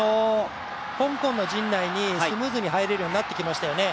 香港の陣内にスムーズに入れるようになってきましたよね